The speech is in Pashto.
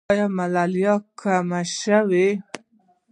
آیا ملاریا کمه شوې؟